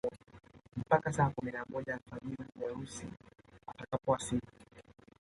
Mpaka saa kumi na moja alfajiri bibi harusi atakapowasili